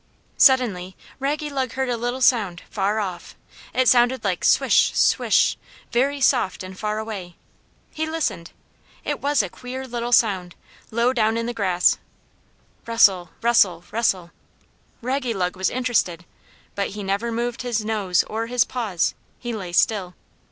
Suddenly Raggylug heard a little sound, far off. It sounded like "Swish, swish," very soft and far away. He listened. It was a queer little sound, low down in the grass, "rustle rustle rustle"; Raggylug was interested. But he never moved his nose or his paws; he lay still.